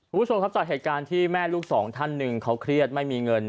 คุณผู้ชมครับจากเหตุการณ์ที่แม่ลูกสองท่านหนึ่งเขาเครียดไม่มีเงิน